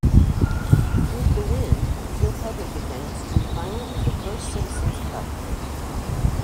With the win Joe Public advanced to the final of the First Citizens Cup.